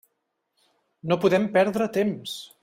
No podem perdre temps.